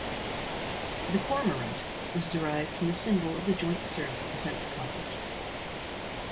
The cormorant was derived from the symbol of the Joint Service Defence College.